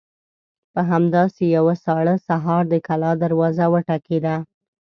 په همداسې يوه ساړه سهار د کلا دروازه وټکېده.